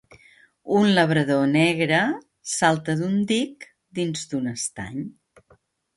Un labrador negre salta d'un dic dins d'un estany.